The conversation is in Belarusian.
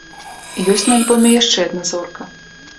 Ёсць на альбоме яшчэ адна зорка.